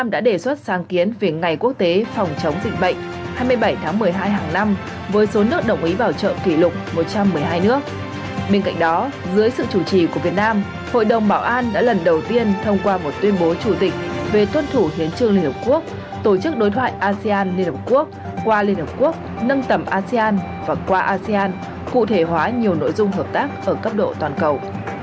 dưới sự chủ trì của việt nam hội đồng bảo an đã lần đầu tiên thông qua một tuyên bố chủ tịch về tuân thủ hiến trương liên hợp quốc tổ chức đối thoại asean liên hợp quốc qua liên hợp quốc nâng tầm asean và qua asean cụ thể hóa nhiều nội dung hợp tác ở cấp độ toàn cầu